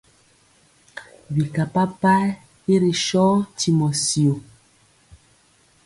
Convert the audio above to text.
Bika papayɛ i ri so ntimɔ syo.